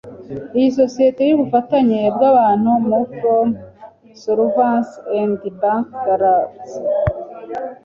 icy isosiyete y ubufatanye bw abantu mu from insolvency and bankruptcy